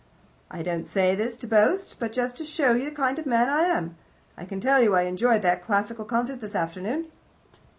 I don't say this to boast, but just to show you the kind of man I am. I can tell you, I enjoyed that classical concert this afternoon."